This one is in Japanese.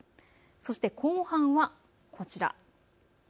そして後半はこちら。